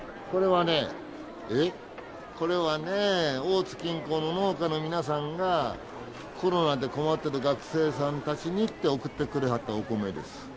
これはねえっこれはね大津近郊の農家の皆さんがコロナで困ってる学生さんたちにって送ってくれはったお米です。